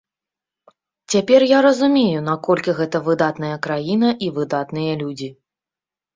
Цяпер я разумею, наколькі гэта выдатная краіна і выдатныя людзі.